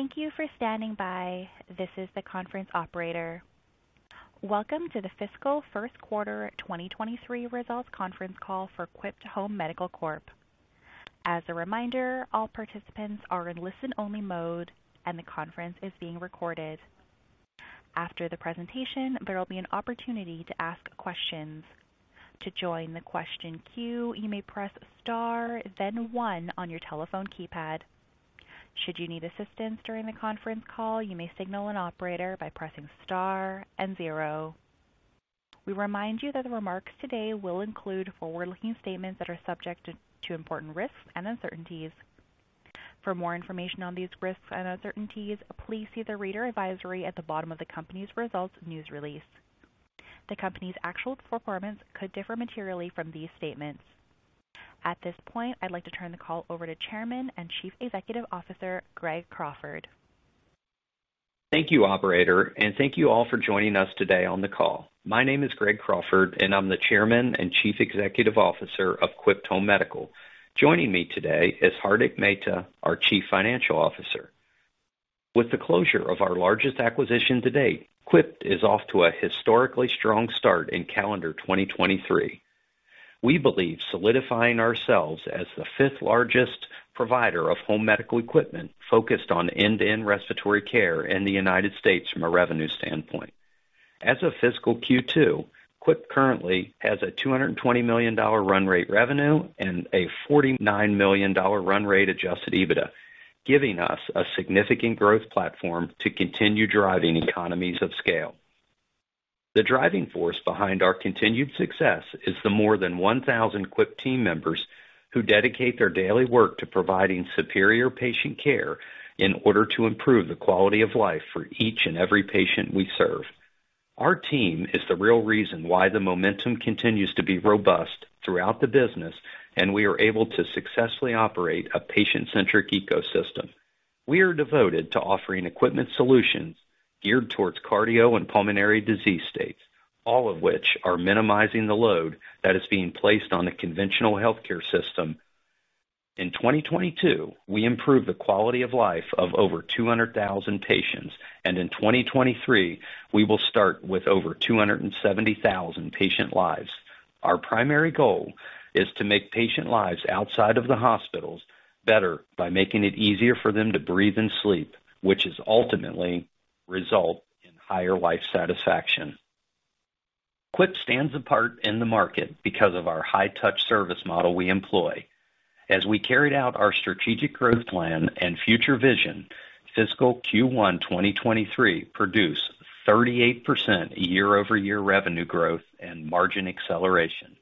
Thank you for standing by. This is the conference operator. Welcome to the fiscal first quarter 2023 results conference call for Quipt Home Medical Corp. As a reminder, all participants are in listen-only mode, the conference is being recorded. After the presentation, there will be an opportunity to ask questions. To join the question queue, you may press star then one on your telephone keypad. Should you need assistance during the conference call, you may signal an operator by pressing star and zero. We remind you that the remarks today will include forward-looking statements that are subject to important risks and uncertainties. For more information on these risks and uncertainties, please see the reader advisory at the bottom of the company's results news release. The company's actual performance could differ materially from these statements. At this point, I'd like to turn the call over to Chairman and Chief Executive Officer, Greg Crawford. Thank you, operator, and thank you all for joining us today on the call. My name is Greg Crawford, and I'm the Chairman and Chief Executive Officer of Quipt Home Medical. Joining me today is Hardik Mehta, our Chief Financial Officer. With the closure of our largest acquisition to date, Quipt is off to a historically strong start in calendar 2023. We believe solidifying ourselves as the fifth largest provider of home medical equipment focused on end-to-end respiratory care in the United States from a revenue standpoint. As of fiscal Q2, Quipt currently has a $220 million run rate revenue and a $49 million run rate adjusted EBITDA, giving us a significant growth platform to continue driving economies of scale. The driving force behind our continued success is the more than 1,000 Quipt team members who dedicate their daily work to providing superior patient care in order to improve the quality of life for each and every patient we serve. Our team is the real reason why the momentum continues to be robust throughout the business, and we are able to successfully operate a patient-centric ecosystem. We are devoted to offering equipment solutions geared towards cardio and pulmonary disease states, all of which are minimizing the load that is being placed on the conventional healthcare system. In 2022, we improved the quality of life of over 200,000 patients, and in 2023, we will start with over 270,000 patient lives. Our primary goal is to make patient lives outside of the hospitals better by making it easier for them to breathe and sleep, which is ultimately result in higher life satisfaction. Quipt stands apart in the market because of our high touch service model we employ. As we carried out our strategic growth plan and future vision, fiscal Q1 2023 produced 38% year-over-year revenue growth and margin acceleration.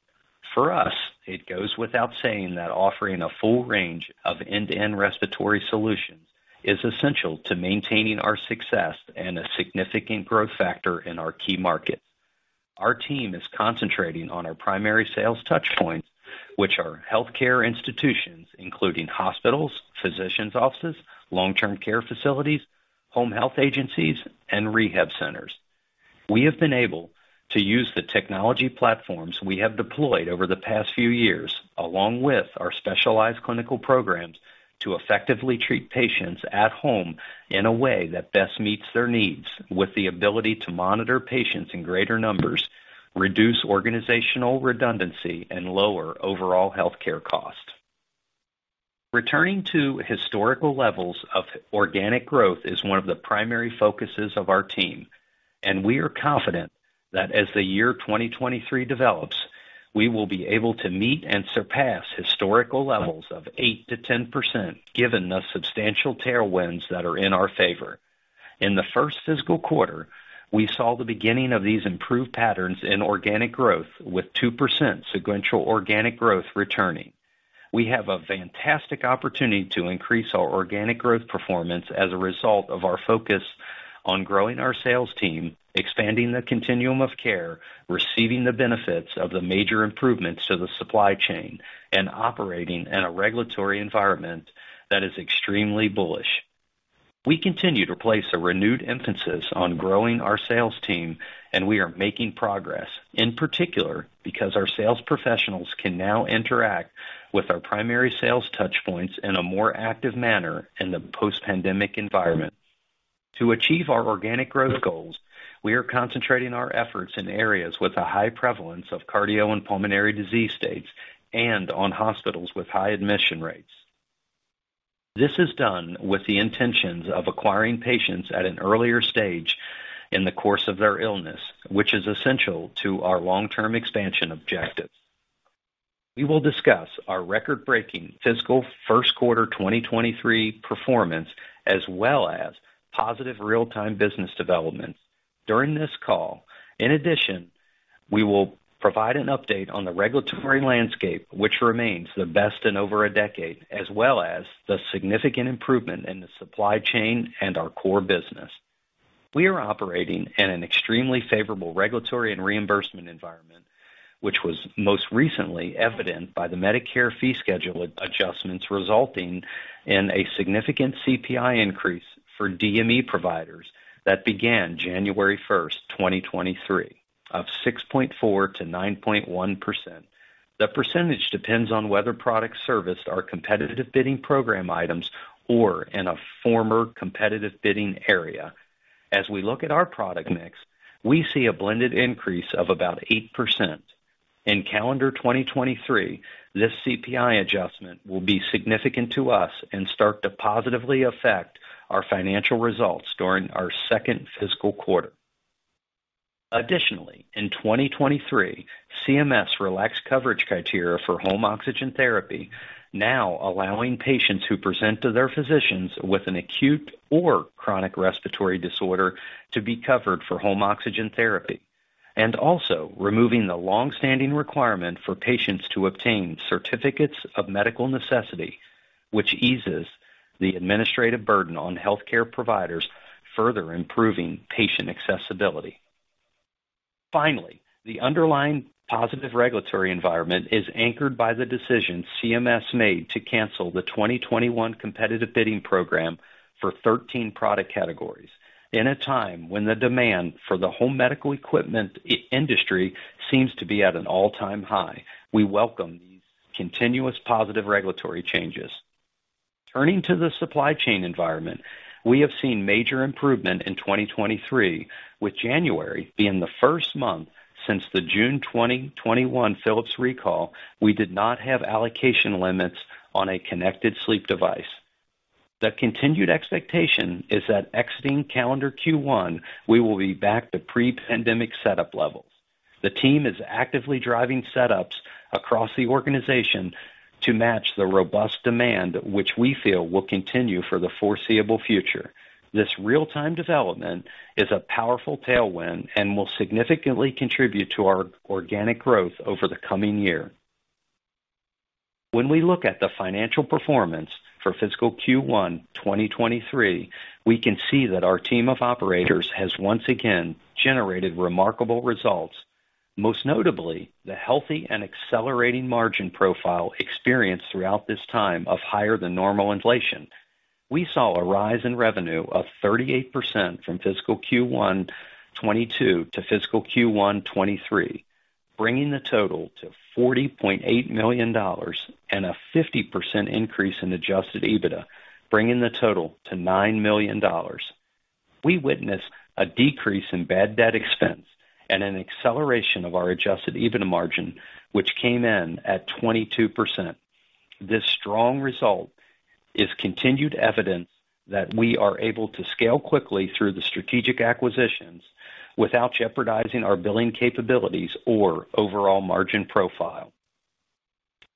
For us, it goes without saying that offering a full range of end-to-end respiratory solutions is essential to maintaining our success and a significant growth factor in our key market. Our team is concentrating on our primary sales touch points, which are healthcare institutions, including hospitals, physicians' offices, long-term care facilities, home health agencies, and rehab centers. We have been able to use the technology platforms we have deployed over the past few years, along with our specialized clinical programs, to effectively treat patients at home in a way that best meets their needs, with the ability to monitor patients in greater numbers, reduce organizational redundancy, and lower overall healthcare costs. Returning to historical levels of organic growth is one of the primary focuses of our team. We are confident that as the year 2023 develops, we will be able to meet and surpass historical levels of 8%-10%, given the substantial tailwinds that are in our favor. In the first fiscal quarter, we saw the beginning of these improved patterns in organic growth, with 2% sequential organic growth returning. We have a fantastic opportunity to increase our organic growth performance as a result of our focus on growing our sales team, expanding the continuum of care, receiving the benefits of the major improvements to the supply chain, and operating in a regulatory environment that is extremely bullish. We continue to place a renewed emphasis on growing our sales team, we are making progress, in particular because our sales professionals can now interact with our primary sales touchpoints in a more active manner in the post-pandemic environment. To achieve our organic growth goals, we are concentrating our efforts in areas with a high prevalence of cardio and pulmonary disease states and on hospitals with high admission rates. This is done with the intentions of acquiring patients at an earlier stage in the course of their illness, which is essential to our long-term expansion objectives. We will discuss our record-breaking fiscal first quarter 2023 performance as well as positive real-time business development during this call. We will provide an update on the regulatory landscape, which remains the best in over a decade, as well as the significant improvement in the supply chain and our core business. We are operating in an extremely favorable regulatory and reimbursement environment, which was most recently evident by the Medicare fee schedule adjustments resulting in a significant CPI increase for DME providers that began January 1, 2023, of 6.4%-9.1%. The percentage depends on whether products serviced are competitive bidding program items or in a former competitive bidding area. As we look at our product mix, we see a blended increase of about 8%. In calendar 2023, this CPI adjustment will be significant to us and start to positively affect our financial results during our second fiscal quarter. In 2023, CMS relaxed coverage criteria for home oxygen therapy, now allowing patients who present to their physicians with an acute or chronic respiratory disorder to be covered for home oxygen therapy, and also removing the long-standing requirement for patients to obtain Certificates of Medical Necessity, which eases the administrative burden on healthcare providers, further improving patient accessibility. The underlying positive regulatory environment is anchored by the decision CMS made to cancel the 2021 competitive bidding program for 13 product categories. In a time when the demand for the home medical equipment industry seems to be at an all-time high, we welcome these continuous positive regulatory changes. Turning to the supply chain environment, we have seen major improvement in 2023, with January being the first month since the June 2021 Philips recall we did not have allocation limits on a connected sleep device. The continued expectation is that exiting calendar Q1, we will be back to pre-pandemic setup levels. The team is actively driving setups across the organization to match the robust demand, which we feel will continue for the foreseeable future. This real-time development is a powerful tailwind and will significantly contribute to our organic growth over the coming year. When we look at the financial performance for fiscal Q1 2023, we can see that our team of operators has once again generated remarkable results, most notably the healthy and accelerating margin profile experienced throughout this time of higher than normal inflation. We saw a rise in revenue of 38% from fiscal Q1 2022 to fiscal Q1 2023, bringing the total to $40.8 million, and a 50% increase in adjusted EBITDA, bringing the total to $9 million. We witnessed a decrease in bad debt expense and an acceleration of our adjusted EBITDA margin, which came in at 22%. This strong result is continued evidence that we are able to scale quickly through the strategic acquisitions without jeopardizing our billing capabilities or overall margin profile.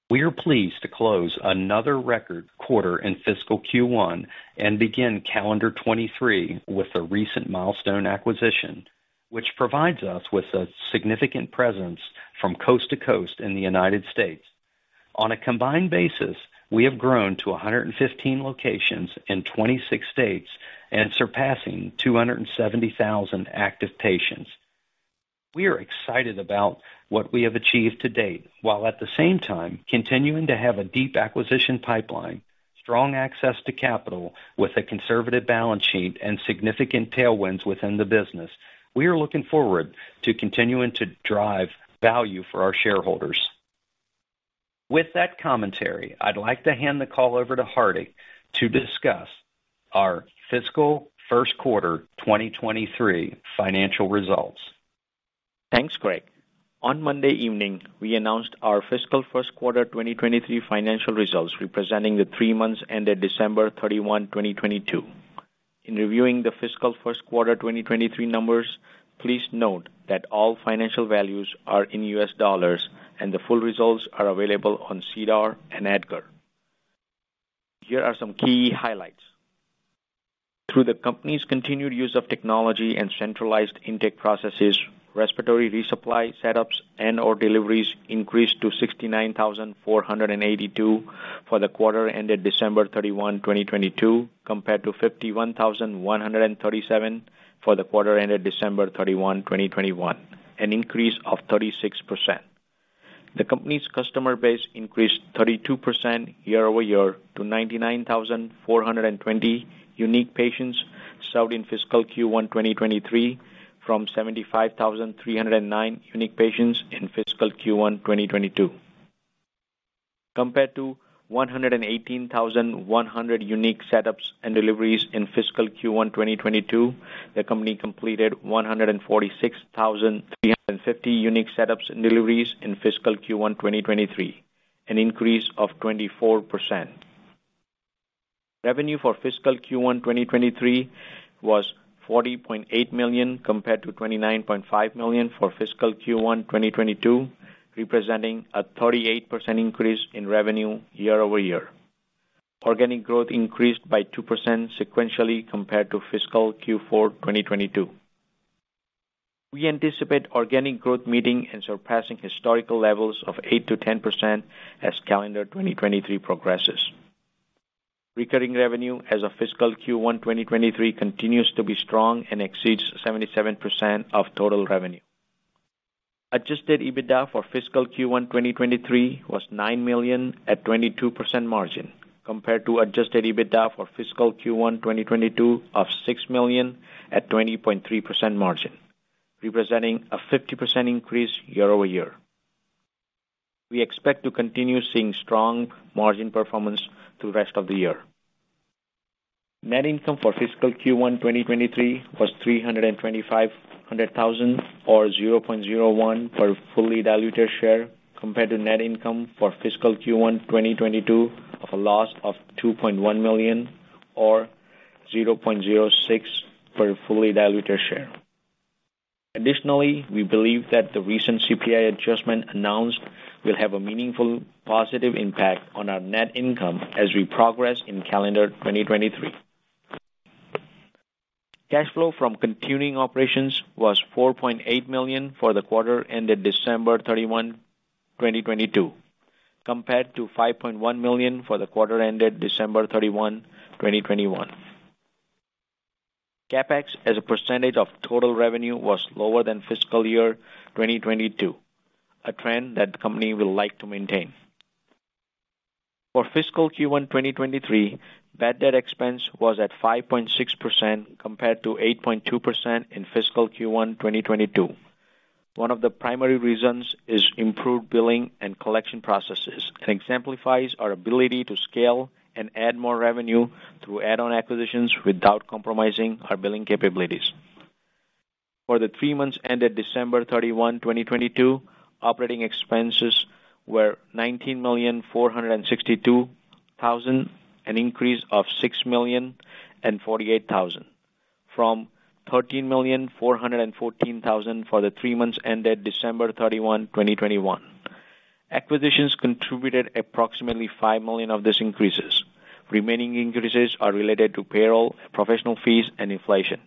We are pleased to close another record quarter in fiscal Q1 and begin calendar 2023 with the recent milestone acquisition, which provides us with a significant presence from coast to coast in the United States. On a combined basis, we have grown to 115 locations in 26 states and surpassing 270,000 active patients. We are excited about what we have achieved to date, while at the same time continuing to have a deep acquisition pipeline, strong access to capital with a conservative balance sheet and significant tailwinds within the business. We are looking forward to continuing to drive value for our shareholders. With that commentary, I'd like to hand the call over to Hardy to discuss our fiscal first quarter 2023 financial results. Thanks, Greg. On Monday evening, we announced our fiscal first quarter 2023 financial results, representing the 3 months ended December 31, 2022. In reviewing the fiscal first quarter 2023 numbers, please note that all financial values are in US dollars, and the full results are available on SEDAR and EDGAR. Here are some key highlights. Through the company's continued use of technology and centralized intake processes, respiratory resupply setups and or deliveries increased to 69,482 for the quarter ended December 31, 2022, compared to 51,137 for the quarter ended December 31, 2021, an increase of 36%. The company's customer base increased 32% year-over-year to 99,420 unique patients served in fiscal Q1 2023 from 75,309 unique patients in fiscal Q1 2022. Compared to 118,100 unique setups and deliveries in fiscal Q1 2022, the company completed 146,350 unique setups and deliveries in fiscal Q1 2023, an increase of 24%. Revenue for fiscal Q1 2023 was $40.8 million compared to $29.5 million for fiscal Q1 2022, representing a 38% increase in revenue year-over-year. Organic growth increased by 2% sequentially compared to fiscal Q4 2022. We anticipate organic growth meeting and surpassing historical levels of 8%-10% as calendar 2023 progresses. Recurring revenue as of fiscal Q1 2023 continues to be strong and exceeds 77% of total revenue. Adjusted EBITDA for fiscal Q1 2023 was $9 million at 22% margin compared to Adjusted EBITDA for fiscal Q1 2022 of $6 million at 20.3% margin, representing a 50% increase year-over-year. We expect to continue seeing strong margin performance through the rest of the year. Net income for fiscal Q1 2023 was $325,000, or 0.01 per fully diluted share, compared to Net income for fiscal Q1 2022 of a loss of $2.1 million or 0.06 per fully diluted share. We believe that the recent CPI adjustment announced will have a meaningful positive impact on our net income as we progress in calendar 2023. Cash flow from continuing operations was $4.8 million for the quarter ended December 31, 2022, compared to $5.1 million for the quarter ended December 31, 2021. CapEx as a percentage of total revenue was lower than Fiscal Year 2022, a trend that the company will like to maintain. For fiscal Q1 2023, bad debt expense was at 5.6%, compared to 8.2% in fiscal Q1 2022. One of the primary reasons is improved billing and collection processes. It exemplifies our ability to scale and add more revenue through add-on acquisitions without compromising our billing capabilities. For the three months ended December 31, 2022, operating expenses were $19,462,000, an increase of $6,048,000 from $13,414,000 for the three months ended December 31, 2021. Acquisitions contributed approximately $5 million of these increases. Remaining increases are related to payroll, professional fees, and inflation.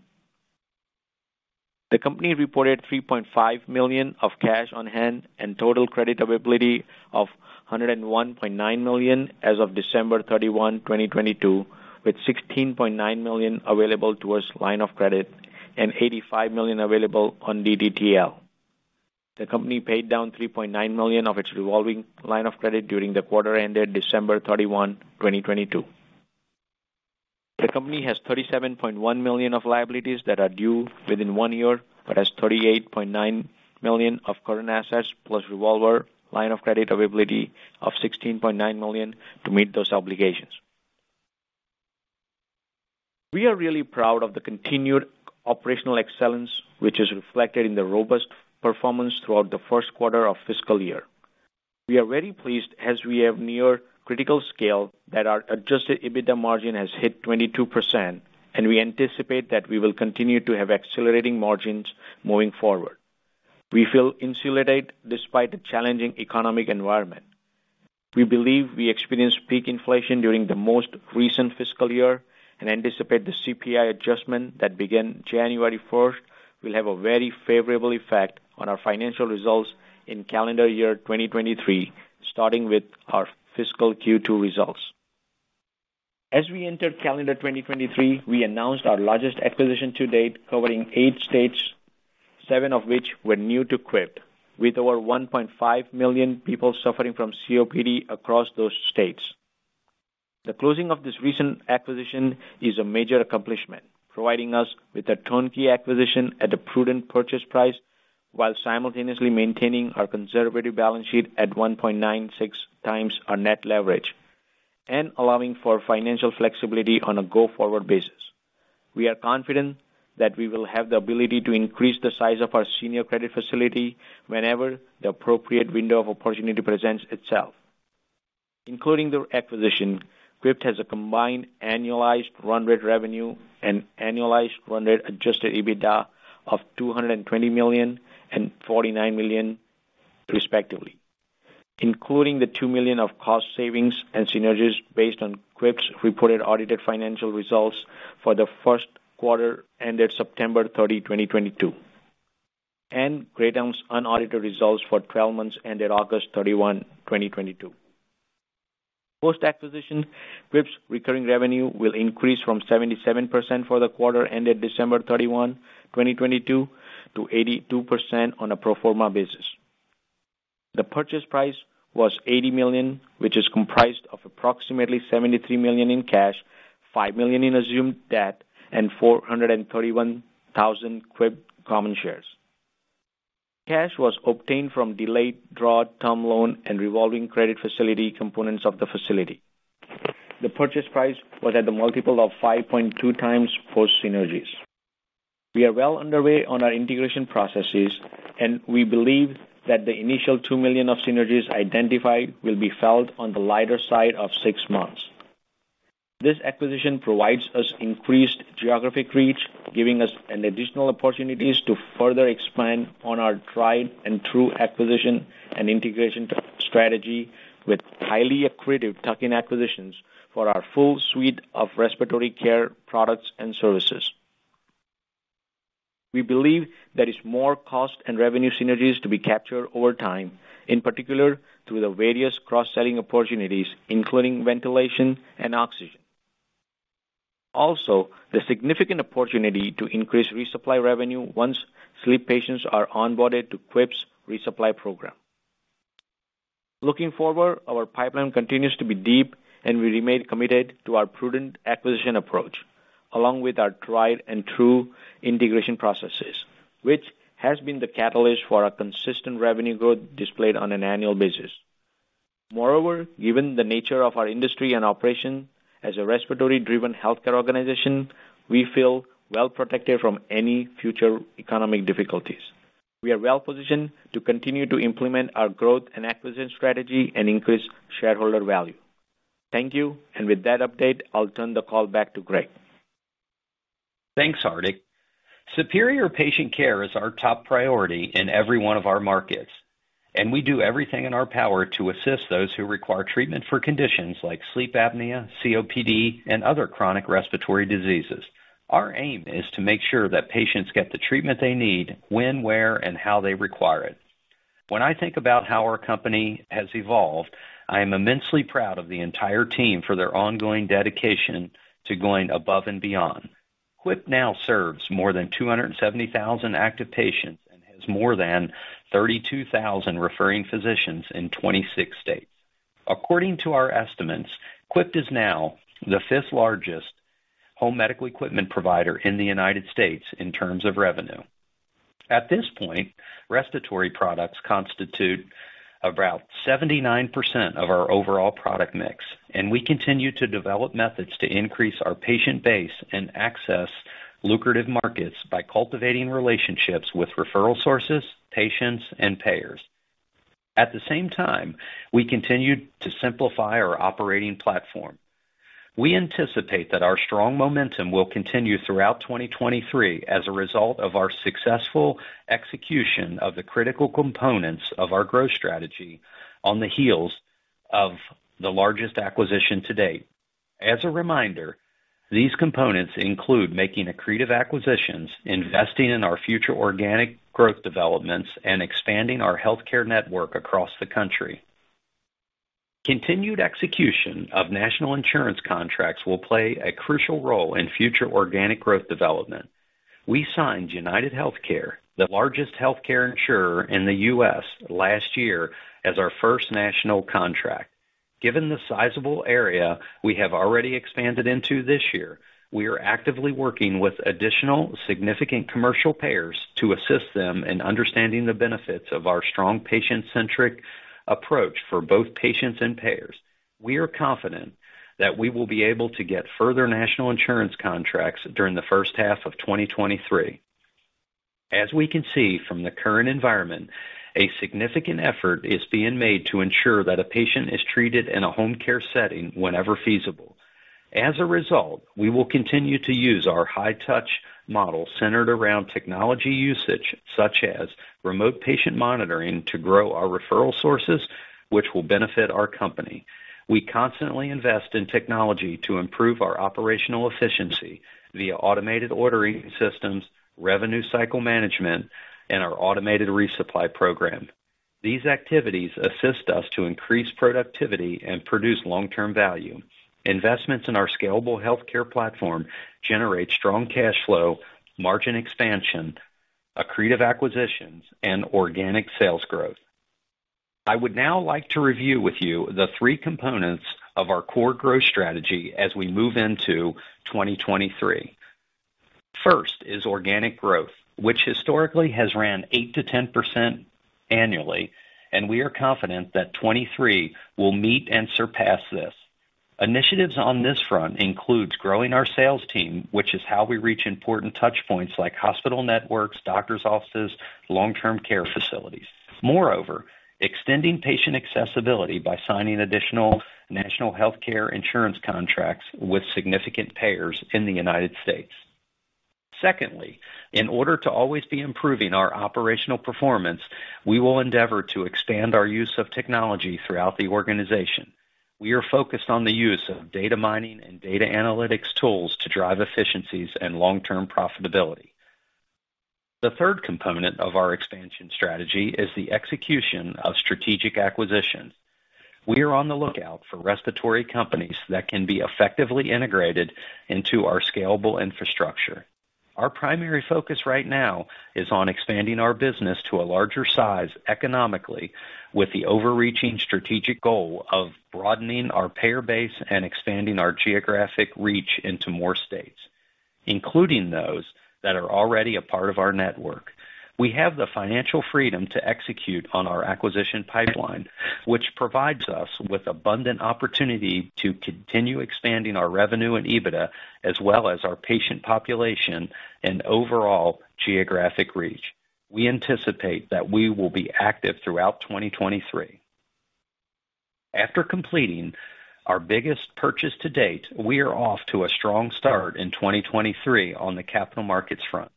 The company reported $3.5 million of cash on hand and total credit availability of $101.9 million as of December 31, 2022, with $16.9 million available towards line of credit and $85 million available on DDTL. The company paid down $3.9 million of its revolving line of credit during the quarter ended December 31, 2022. The company has $37.1 million of liabilities that are due within one year, but has $38.9 million of current assets plus revolver line-of-credit availability of $16.9 million to meet those obligations. We are really proud of the continued operational excellence, which is reflected in the robust performance throughout the 1st quarter of fiscal year. We are very pleased as we have near critical scale that our adjusted EBITDA margin has hit 22%, and we anticipate that we will continue to have accelerating margins moving forward. We feel insulated despite the challenging economic environment. We believe we experienced peak inflation during the most recent fiscal year and anticipate the CPI adjustment that began January 1st will have a very favorable effect on our financial results in calendar year 2023, starting with our fiscal Q2 results. As we entered calendar 2023, we announced our largest acquisition to date covering eight states, seven of which were new to Quipt, with over 1.5 million people suffering from COPD across those states. The closing of this recent acquisition is a major accomplishment, providing us with a turnkey acquisition at a prudent purchase price while simultaneously maintaining our conservative balance sheet at 1.96x our net leverage and allowing for financial flexibility on a go-forward basis. We are confident that we will have the ability to increase the size of our senior credit facility whenever the appropriate window of opportunity presents itself. Including the acquisition, Quipt has a combined annualized run rate revenue and annualized run rate adjusted EBITDA of $220 million and $49 million, respectively, including the $2 million of cost savings and synergies based on Quipt's reported audited financial results for the first quarter ended September 30, 2022, and Great Elm's unaudited results for 12 months ended August 31, 2022. Post-acquisition, Quipt's recurring revenue will increase from 77% for the quarter ended December 31, 2022, to 82% on a pro forma basis. The purchase price was $80 million, which is comprised of approximately $73 million in cash, $5 million in assumed debt, and 431,000 Quipt common shares. Cash was obtained from Delayed Draw Term Loan and revolving credit facility components of the facility. The purchase price was at a multiple of 5.2x post synergies. We are well underway on our integration processes, and we believe that the initial $2 million of synergies identified will be felt on the lighter side of six months. This acquisition provides us increased geographic reach, giving us an additional opportunities to further expand on our tried and true acquisition and integration strategy with highly accretive tuck-in acquisitions for our full suite of respiratory care products and services. We believe there is more cost and revenue synergies to be captured over time, in particular through the various cross-selling opportunities, including ventilation and oxygen. Also, the significant opportunity to increase resupply revenue once sleep patients are onboarded to Quipt's resupply program. Looking forward, our pipeline continues to be deep, and we remain committed to our prudent acquisition approach, along with our tried and true integration processes, which has been the catalyst for our consistent revenue growth displayed on an annual basis. Moreover, given the nature of our industry and operation as a respiratory-driven healthcare organization, we feel well-protected from any future economic difficulties. We are well-positioned to continue to implement our growth and acquisition strategy and increase shareholder value. Thank you. With that update, I'll turn the call back to Greg. Thanks, Hardik. Superior patient care is our top priority in every one of our markets, and we do everything in our power to assist those who require treatment for conditions like sleep apnea, COPD, and other chronic respiratory diseases. Our aim is to make sure that patients get the treatment they need when, where, and how they require it. When I think about how our company has evolved, I am immensely proud of the entire team for their ongoing dedication to going above and beyond. Quipt now serves more than 270,000 active patients and has more than 32,000 referring physicians in 26 states. According to our estimates, Quipt is now the fifth-largest home medical equipment provider in the United States in terms of revenue. At this point, respiratory products constitute about 79% of our overall product mix, and we continue to develop methods to increase our patient base and access lucrative markets by cultivating relationships with referral sources, patients, and payers. At the same time, we continued to simplify our operating platform. We anticipate that our strong momentum will continue throughout 2023 as a result of our successful execution of the critical components of our growth strategy on the heels of the largest acquisition to date. As a reminder, these components include making accretive acquisitions, investing in our future organic growth developments, and expanding our healthcare network across the country. Continued execution of national insurance contracts will play a crucial role in future organic growth development. We signed UnitedHealthcare, the largest healthcare insurer in the U.S.. last year, as our first national contract. Given the sizable area we have already expanded into this year, we are actively working with additional significant commercial payers to assist them in understanding the benefits of our strong patient-centric approach for both patients and payers. We are confident that we will be able to get further national insurance contracts during the first half of 2023. As we can see from the current environment, a significant effort is being made to ensure that a patient is treated in a home care setting whenever feasible. As a result, we will continue to use our high-touch model centered around technology usage, such as remote patient monitoring, to grow our referral sources, which will benefit our company. We constantly invest in technology to improve our operational efficiency via automated ordering systems, revenue cycle management, and our automated resupply program. These activities assist us to increase productivity and produce long-term value. Investments in our scalable healthcare platform generate strong cash flow, margin expansion, accretive acquisitions, and organic sales growth. I would now like to review with you the three components of our core growth strategy as we move into 2023. First is organic growth, which historically has run 8%-10% annually, and we are confident that 2023 will meet and surpass this. Initiatives on this front includes growing our sales team, which is how we reach important touch points like hospital networks, doctor's offices, long-term care facilities. Moreover, extending patient accessibility by signing additional national healthcare insurance contracts with significant payers in the United States. Secondly, in order to always be improving our operational performance, we will endeavor to expand our use of technology throughout the organization. We are focused on the use of data mining and data analytics tools to drive efficiencies and long-term profitability. The third component of our expansion strategy is the execution of strategic acquisitions. We are on the lookout for respiratory companies that can be effectively integrated into our scalable infrastructure. Our primary focus right now is on expanding our business to a larger size economically, with the overreaching strategic goal of broadening our payer base and expanding our geographic reach into more states, including those that are already a part of our network. We have the financial freedom to execute on our acquisition pipeline, which provides us with abundant opportunity to continue expanding our revenue and EBITDA, as well as our patient population and overall geographic reach. We anticipate that we will be active throughout 2023. After completing our biggest purchase to date, we are off to a strong start in 2023 on the capital markets front.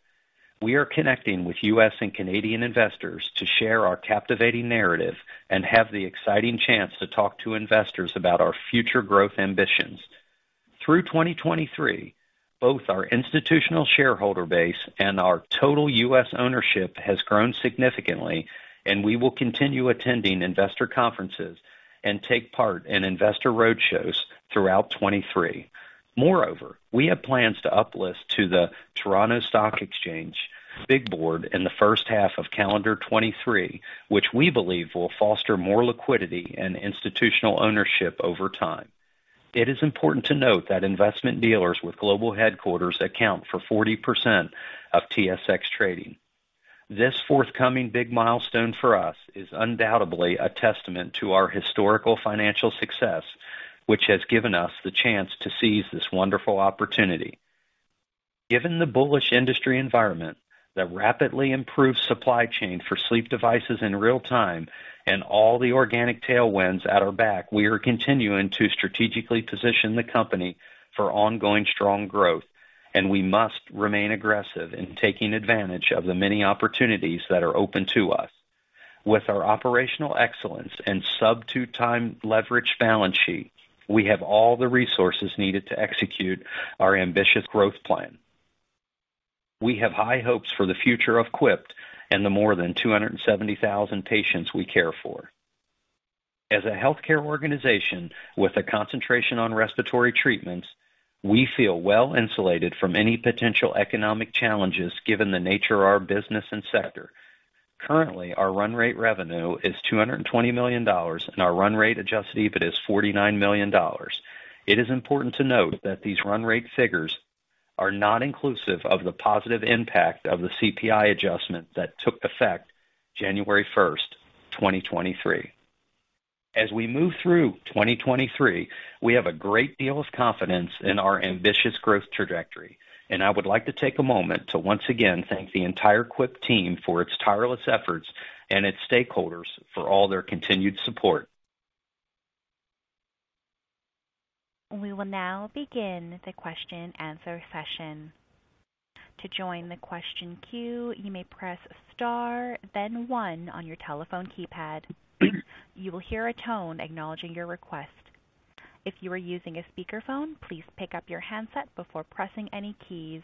We are connecting with U.S.. and Canadian investors to share our captivating narrative and have the exciting chance to talk to investors about our future growth ambitions. Through 2023, both our institutional shareholder base and our total U.S.. ownership has grown significantly, and we will continue attending investor conferences and take part in investor roadshows throughout 2023. We have plans to uplist to the Toronto Stock Exchange Big Board in the first half of calendar 2023, which we believe will foster more liquidity and institutional ownership over time. It is important to note that investment dealers with global headquarters account for 40% of TSX trading. This forthcoming big milestone for us is undoubtedly a testament to our historical financial success, which has given us the chance to seize this wonderful opportunity. Given the bullish industry environment that rapidly improves supply chain for sleep devices in real time and all the organic tailwinds at our back, we are continuing to strategically position the company for ongoing strong growth. We must remain aggressive in taking advantage of the many opportunities that are open to us. With our operational excellence and sub two times leverage balance sheet, we have all the resources needed to execute our ambitious growth plan. We have high hopes for the future of Quipt and the more than 270,000 patients we care for. As a healthcare organization with a concentration on respiratory treatments, we feel well insulated from any potential economic challenges given the nature of our business and sector. Currently, our run rate revenue is $220 million. Our run rate adjusted EBITDA is $49 million. It is important to note that these run rate figures are not inclusive of the positive impact of the CPI adjustment that took effect January first, 2023. As we move through 2023, we have a great deal of confidence in our ambitious growth trajectory, I would like to take a moment to once again thank the entire Quipt team for its tireless efforts and its stakeholders for all their continued support. We will now begin the question answer session. To join the question queue, you may press star then one on your telephone keypad. You will hear a tone acknowledging your request. If you are using a speakerphone, please pick up your handset before pressing any keys.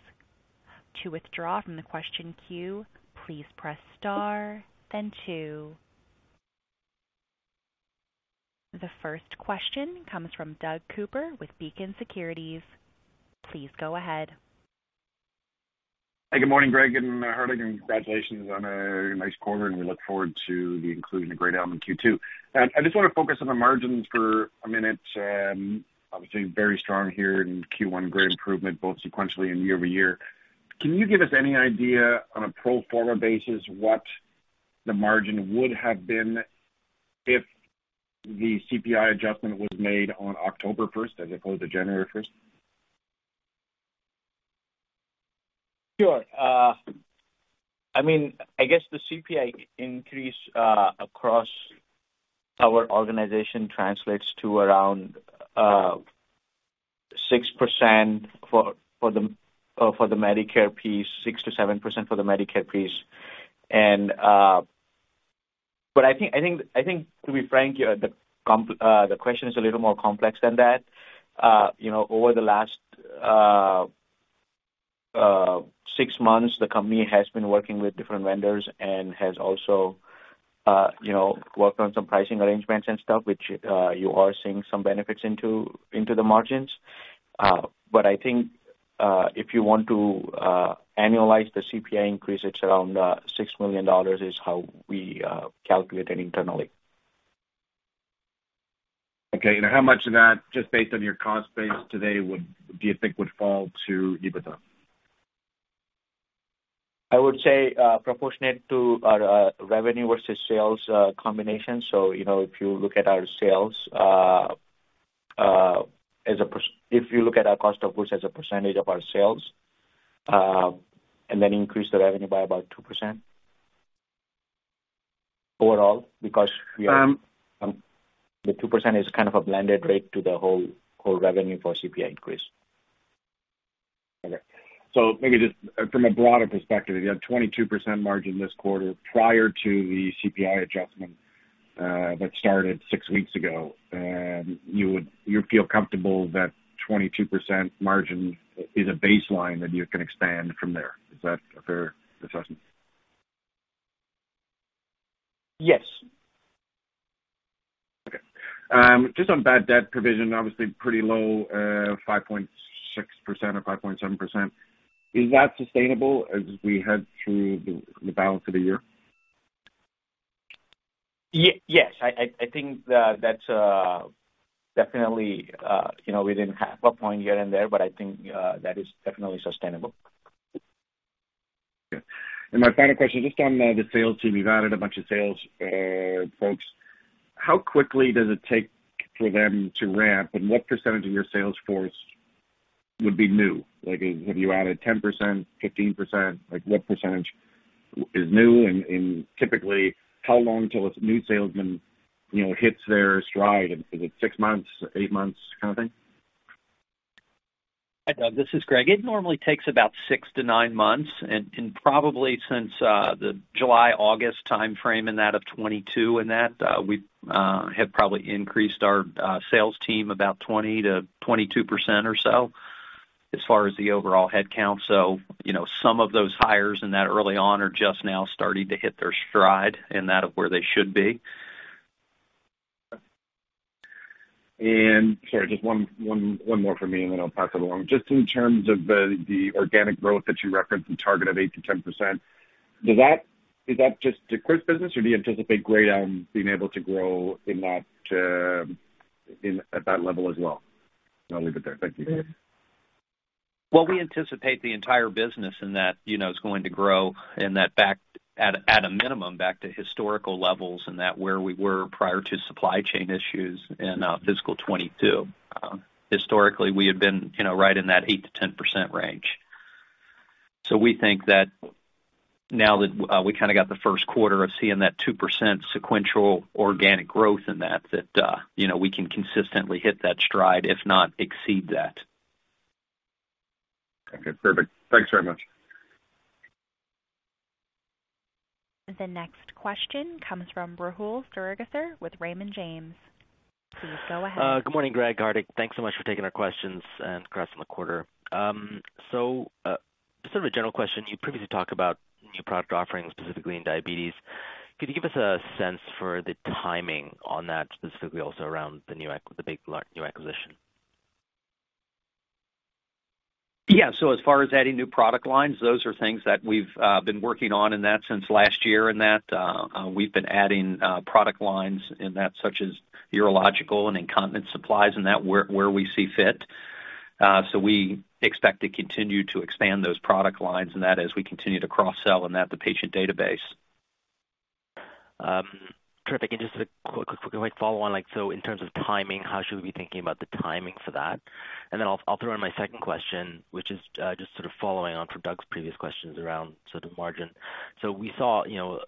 To withdraw from the question queue, please press star then two. The first question comes from Doug Cooper with Beacon Securities. Please go ahead. Hey, good morning, Greg and Hardik, and congratulations on a nice quarter, and we look forward to the inclusion of Great Elm in Q2. I just want to focus on the margins for a minute. Obviously very strong here in Q1. Great improvement both sequentially and year-over-year. Can you give us any idea on a pro forma basis what the margin would have been if the CPI adjustment was made on October first as opposed to January first? Sure. I mean, I guess the CPI increase across our organization translates to around 6% for the Medicare piece, 6%-7% for the Medicare piece. But I think to be frank here, the question is a little more complex than that. You know, over the last six months, the company has been working with different vendors and has also, you know, worked on some pricing arrangements and stuff, which, you are seeing some benefits into the margins. I think, if you want to, annualize the CPI increase, it's around $6 million is how we, calculate it internally. Okay. How much of that, just based on your cost base today, do you think would fall to EBITDA? I would say, proportionate to our revenue versus sales, combination. You know, if you look at our sales, If you look at our cost of goods as a percentage of our sales, and then increase the revenue by about 2% overall. Um. The 2% is kind of a blended rate to the whole revenue for CPI increase. Maybe just from a broader perspective, you have 22% margin this quarter prior to the CPI adjustment that started six weeks ago. You feel comfortable that 22% margin is a baseline that you can expand from there. Is that a fair assessment? Yes. Just on bad debt provision, obviously pretty low, 5.6% or 5.7%. Is that sustainable as we head through the balance of the year? Yes. I think that's definitely, you know, within half a point here and there, but I think that is definitely sustainable. Okay. My final question, just on the sales team, you've added a bunch of sales folks. How quickly does it take for them to ramp, and what percentage of your sales force would be new? Like, have you added 10%, 15%? Like, what percentage is new? Typically, how long till a new salesman, you know, hits their stride? Is it six months, eight months kind of thing? Hi, Doug. This is Greg. It normally takes about six to nine months. Probably since the July, August timeframe and that of 2022 and that, we have probably increased our sales team about 20-22% or so as far as the overall headcount. You know, some of those hires in that early on are just now starting to hit their stride in that of where they should be. Sorry, just one more for me and then I'll pass it along. Just in terms of the organic growth that you referenced and targeted 8%-10%, is that just the Quipt business or do you anticipate Great Elm being able to grow in that, in, at that level as well? I'll leave it there. Thank you. Well, we anticipate the entire business in that, you know, it's going to grow and that back at a minimum back to historical levels and that where we were prior to supply chain issues in fiscal 2022. Historically we had been, you know, right in that 8%-10% range. We think that now that, we kinda got the first quarter of seeing that 2% sequential organic growth in that, you know, we can consistently hit that stride if not exceed that. Okay, perfect. Thanks very much. The next question comes from Rahul Sarugaser with Raymond James. Please go ahead. Good morning, Greg, Hardik. Thanks so much for taking our questions and across from the quarter. Sort of a general question, you previously talked about new product offerings, specifically in diabetes. Could you give us a sense for the timing on that specifically also around the new the big new acquisition? Yeah. As far as adding new product lines, those are things that we've been working on in that since last year and that we've been adding product lines in that such as urological and incontinence supplies in that where we see fit. We expect to continue to expand those product lines and that as we continue to cross-sell and that the patient database. Terrific. Just a quick follow on, like so in terms of timing, how should we be thinking about the timing for that? Then I'll throw in my second question, which is just sort of following on from Doug's previous questions around sort of margin. We saw, you know,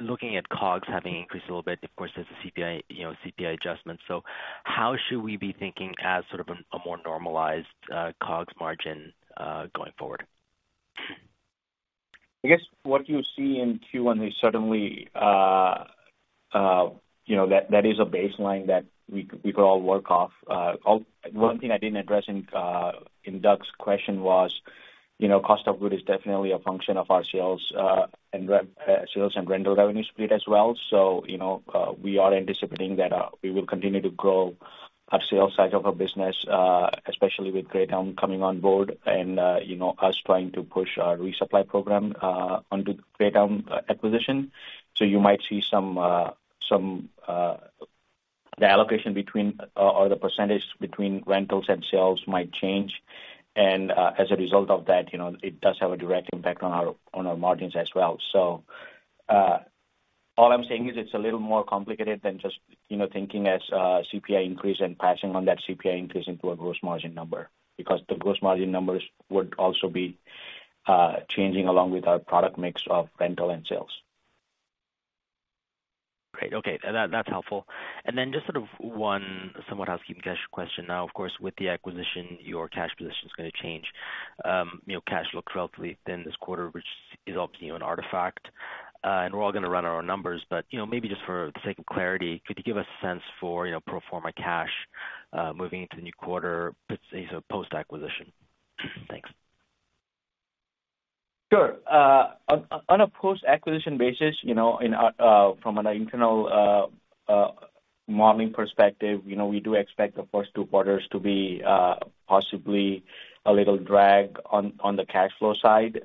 looking at COGS having increased a little bit, of course, there's a CPI, you know, CPI adjustment. How should we be thinking as sort of a more normalized COGS margin going forward? I guess what you see in Q1 is certainly, you know, that is a baseline that we could all work off. One thing I didn't address in Doug's question was, you know, cost of goods is definitely a function of our sales and rental revenue split as well. You know, we are anticipating that we will continue to grow our sales side of our business, especially with Great Elm coming on board and, you know, us trying to push our resupply program onto Great Elm acquisition. You might see some, the allocation between or the percentage between rentals and sales might change. As a result of that, you know, it does have a direct impact on our, on our margins as well. All I'm saying is it's a little more complicated than just, you know, thinking as a CPI increase and passing on that CPI increase into a gross margin number because the gross margin numbers would also be changing along with our product mix of rental and sales. Great. Okay. That's helpful. Just sort of one somewhat asking cash question now, of course, with the acquisition, your cash position is gonna change. you know, cash looks relatively thin this quarter, which is obviously an artifact, and we're all gonna run our own numbers. You know, maybe just for the sake of clarity, could you give us a sense for, you know, pro forma cash, moving into the new quarter, say, so post-acquisition? Thanks. On a post-acquisition basis, you know, from an internal modeling perspective, you know, we do expect the first two quarters to be possibly a little drag on the cash flow side.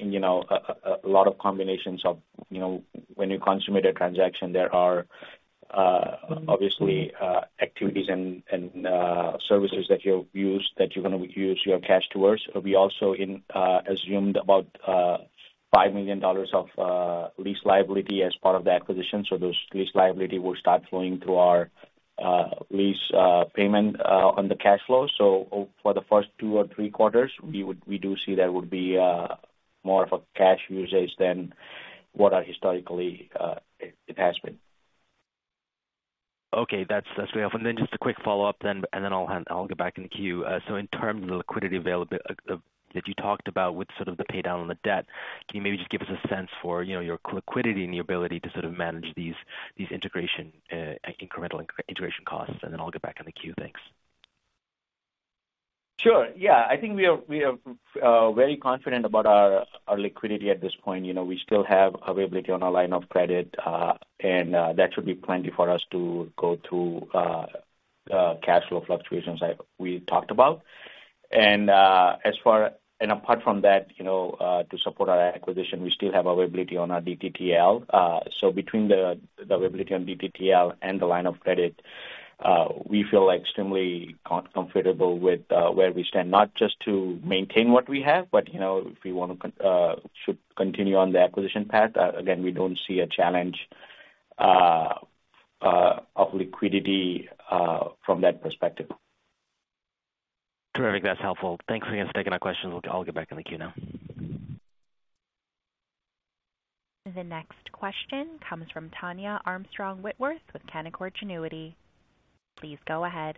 You know, a lot of combinations of, you know, when you consummate a transaction, there are obviously activities and services that you use, that you're gonna use your cash towards. We also in assumed about $5 million of lease liability as part of the acquisition. Those lease liability will start flowing through our lease payment on the cash flow. For the first two or three quarters, we do see there would be more of a cash usage than what are historically it has been. Okay, that's very helpful. Just a quick follow-up then and then I'll get back in the queue. In terms of liquidity that you talked about with sort of the pay down on the debt, can you maybe just give us a sense for, you know, your liquidity and the ability to sort of manage these integration, incremental integration costs? I'll get back in the queue. Thanks. Sure. Yeah. I think we are very confident about our liquidity at this point. You know, we still have availability on our line of credit, and that should be plenty for us to go through cash flow fluctuations like we talked about. Apart from that, you know, to support our acquisition, we still have availability on our DDTL. Between the availability on DDTL and the line of credit, we feel extremely comfortable with where we stand, not just to maintain what we have, but you know, if we wanna should continue on the acquisition path, again, we don't see a challenge of liquidity from that perspective. Terrific. That's helpful. Thanks again for taking our questions. I'll get back in the queue now. The next question comes from Tania Armstrong-Whitworth with Canaccord Genuity. Please go ahead.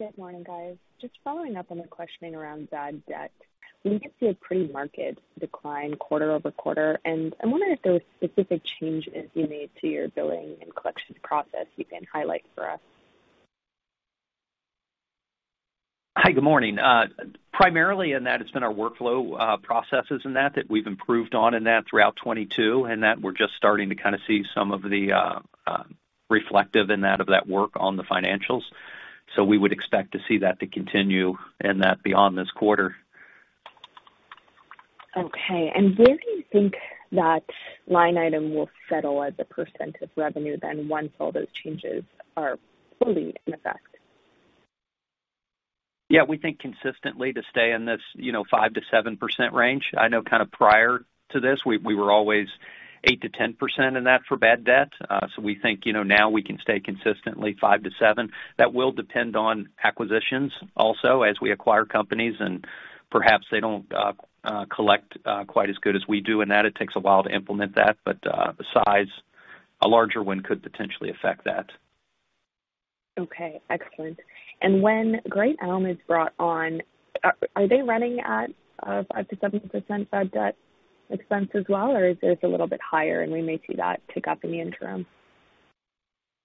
Good morning, guys. Just following up on the questioning around bad debt. We did see a pretty market decline quarter-over-quarter, and I'm wondering if there were specific changes you made to your billing and collection process you can highlight for us. Hi, good morning. primarily in that it's been our workflow, processes in that we've improved on in that throughout 2022, and that we're just starting to kind of see some of the, reflective in that, of that work on the financials. We would expect to see that to continue in that beyond this quarter. Okay. Where do you think that line item will settle as a % of revenue then once all those changes are fully in effect? Yeah, we think consistently to stay in this, you know, 5%-7% range. I know kind of prior to this, we were always 8%-10% in that for bad debt. So we think, you know, now we can stay consistently 5%-7%. That will depend on acquisitions also as we acquire companies and perhaps they don't collect quite as good as we do in that it takes a while to implement that. Besides, a larger one could potentially affect that. Okay, excellent. When Great Elm is brought on, are they running at a 5%-7% bad debt expense as well? Or is theirs a little bit higher, and we may see that pick up in the interim?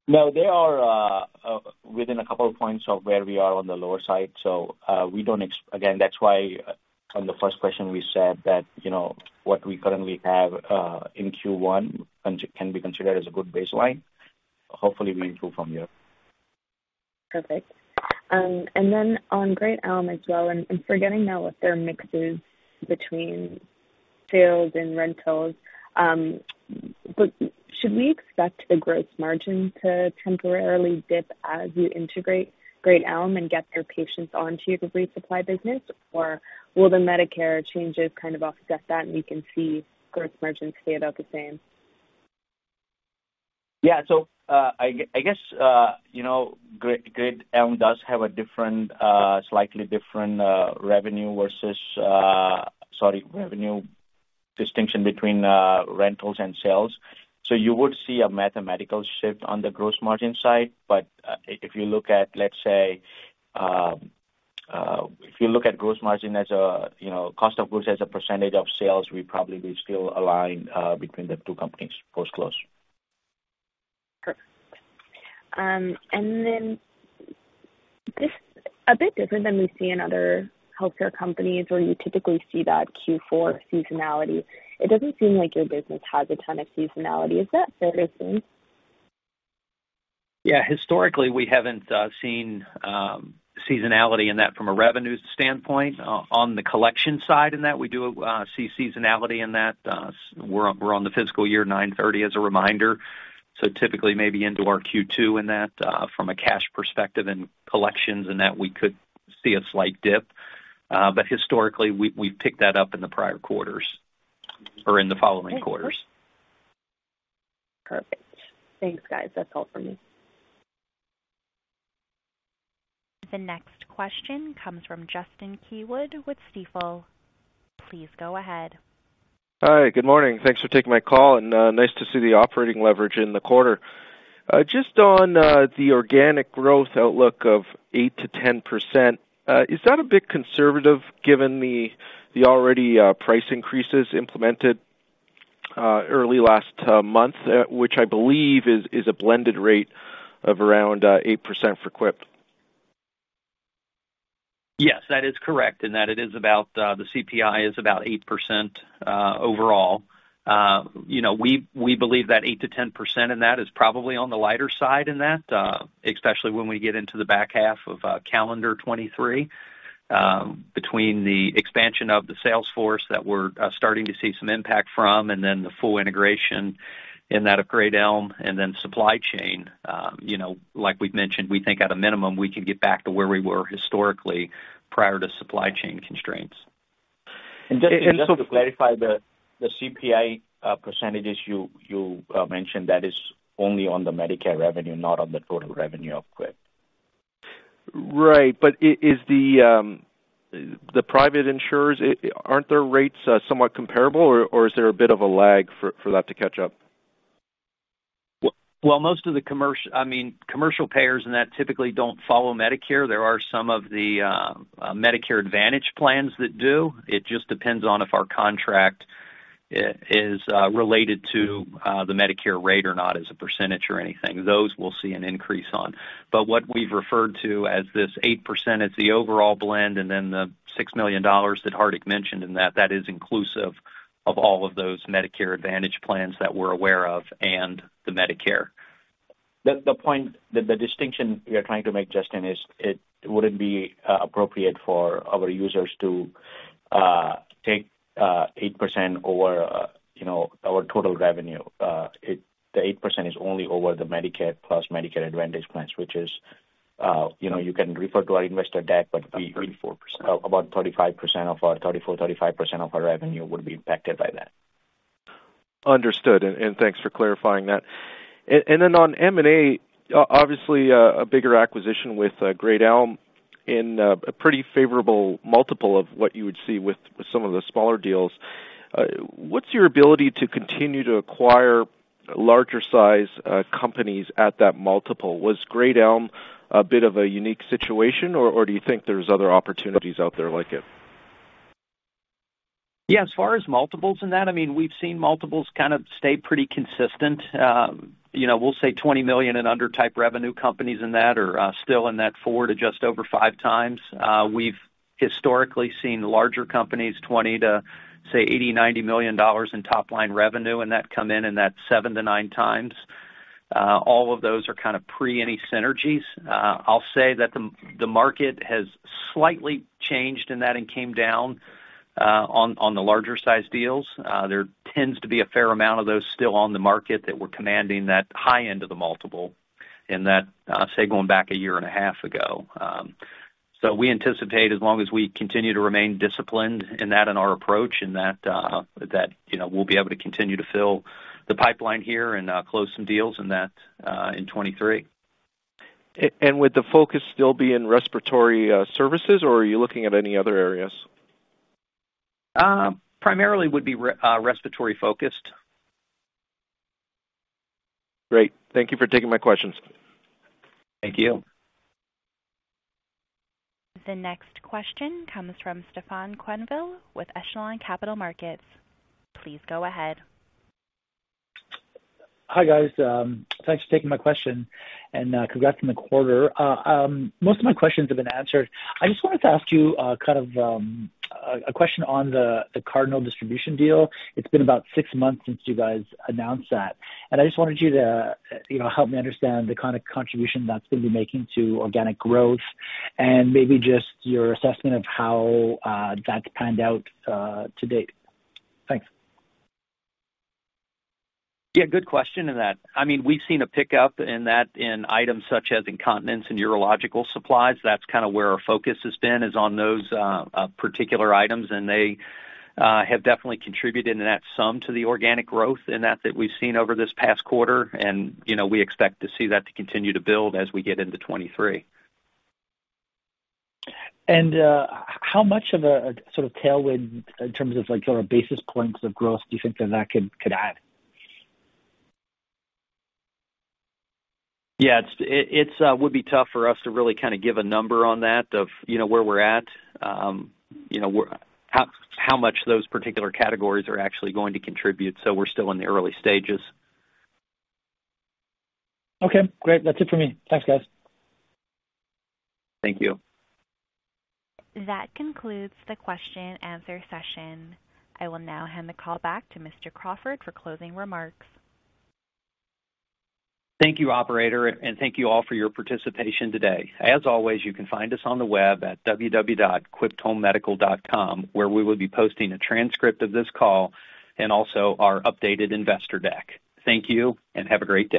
No, they are within a couple of points of where we are on the lower side. We don't again, that's why on the first question, we said that, you know, what we currently have in Q1 can be considered as a good baseline. Hopefully we improve from here. Perfect. Then on Great Elm as well, and forgetting now what their mix is between sales and rentals, should we expect the gross margin to temporarily dip as you integrate Great Elm and get their patients onto your resupply business? Will the Medicare changes kind of offset that, and we can see gross margins stay about the same? Yeah. I guess, you know, Great Elm does have a different, slightly different, revenue distinction between rentals and sales. You would see a mathematical shift on the gross margin side. If you look at, let's say, gross margin as a, you know, cost of goods as a % of sales, we probably will still align between the two companies post close. Perfect. A bit different than we see in other healthcare companies where you typically see that Q4 seasonality, it doesn't seem like your business has a ton of seasonality. Is that fair to assume? Yeah. Historically, we haven't seen seasonality in that from a revenue standpoint. On the collection side in that we do see seasonality in that. We're on the fiscal year 9/30 as a reminder. Typically maybe into our Q2 in that, from a cash perspective and collections in that we could see a slight dip. Historically we've picked that up in the prior quarters or in the following quarters. Perfect. Thanks, guys. That's all for me. The next question comes from Justin Keywood with Stifel. Please go ahead. Hi. Good morning. Thanks for taking my call and nice to see the operating leverage in the quarter. Just on the organic growth outlook of 8%-10%, is that a bit conservative given the already price increases implemented early last month, which I believe is a blended rate of around 8% for Quipt? Yes, that is correct. In that it is about, the CPI is about 8%, overall. you know, we believe that 8%-10% in that is probably on the lighter side in that, especially when we get into the back half of calendar 2023, between the expansion of the sales force that we're starting to see some impact from and then the full integration in that of Great Elm and then supply chain. you know, like we've mentioned, we think at a minimum, we can get back to where we were historically prior to supply chain constraints. Just to clarify the CPI % you mentioned, that is only on the Medicare revenue, not on the total revenue of Quipt. Right. Is the private insurers, aren't their rates somewhat comparable, or is there a bit of a lag for that to catch up? Well, most of the I mean, commercial payers in that typically don't follow Medicare. There are some of the Medicare Advantage plans that do. It just depends on if our contract is related to the Medicare rate or not as a percentage or anything. Those we'll see an increase on. What we've referred to as this 8%, it's the overall blend, and then the $6 million that Hardik mentioned in that is inclusive of all of those Medicare Advantage plans that we're aware of and the Medicare. The point, the distinction we are trying to make, Justin, is it wouldn't be appropriate for our users to take 8% over, you know, our total revenue. The 8% is only over the Medicare plus Medicare Advantage plans, which is, you know, you can refer to our investor deck, but we. About 34%. About 34%-35% of our revenue would be impacted by that. Understood. Thanks for clarifying that. Then on M&A, obviously, a bigger acquisition with Great Elm in a pretty favorable multiple of what you would see with some of the smaller deals. What's your ability to continue to acquire larger size companies at that multiple? Was Great Elm a bit of a unique situation, or do you think there's other opportunities out there like it? As far as multiples in that, I mean, we've seen multiples kind of stay pretty consistent. You know, we'll say $20 million in under type revenue companies in that are still in that four to just over five times. We've historically seen larger companies, $20 million to, say, $80 million-$90 million in top line revenue, and that come in, and that's seven to nine times. All of those are kind of pre any synergies. I'll say that the market has slightly changed in that and came down on the larger size deals. There tends to be a fair amount of those still on the market that we're commanding that high end of the multiple in that, say going back a year and a half ago. We anticipate as long as we continue to remain disciplined in our approach, you know, we'll be able to continue to fill the pipeline here and close some deals in 23. Would the focus still be in respiratory services, or are you looking at any other areas? primarily would be respiratory focused. Great. Thank you for taking my questions. Thank you. The next question comes from Stefan Quenneville with Echelon Capital Markets. Please go ahead. Hi, guys. Thanks for taking my question and congrats on the quarter. Most of my questions have been answered. I just wanted to ask you, kind of, a question on the Cardinal distribution deal. It's been about six months since you guys announced that, and I just wanted you to, you know, help me understand the kind of contribution that's gonna be making to organic growth and maybe just your assessment of how that's panned out, to date. Thanks. Yeah, good question in that. I mean, we've seen a pickup in that in items such as incontinence and urological supplies. That's kind of where our focus has been, is on those particular items, and they have definitely contributed in that sum to the organic growth in that we've seen over this past quarter. You know, we expect to see that to continue to build as we get into 23. how much of a sort of tailwind in terms of like your basis points of growth do you think that that could add? Would be tough for us to really kind of give a number on that of, you know, where we're at, you know, how much those particular categories are actually going to contribute. We're still in the early stages. Okay, great. That's it for me. Thanks, guys. Thank you. That concludes the question-answer session. I will now hand the call back to Mr. Crawford for closing remarks. Thank you, operator, and thank you all for your participation today. As always, you can find us on the web at www.quipthomemedical.com, where we will be posting a transcript of this call and also our updated investor deck. Thank you and have a great day.